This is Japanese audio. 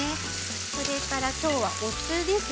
それから今日はお酢です。